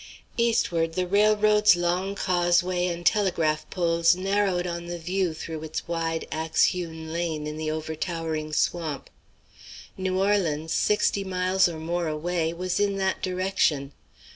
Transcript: Eastward the railroad's long causeway and telegraph poles narrowed on the view through its wide axe hewn lane in the overtowering swamp. New Orleans, sixty miles or more away, was in that direction.